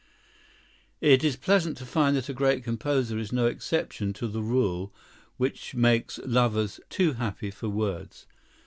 It is pleasant to find that a great composer is no exception to the rule which makes lovers "too happy for words."